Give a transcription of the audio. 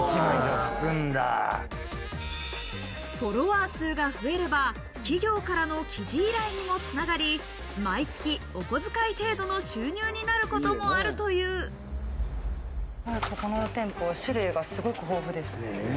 フォロワー数が増えれば、企業からの記事依頼にも繋がり、毎月お小遣い程度の収入になることもここの店舗、種類がすごく豊富です。